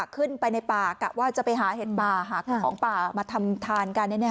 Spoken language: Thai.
ขึ้นไปในป่ากะว่าจะไปหาเห็ดป่าหาของป่ามาทำทานกัน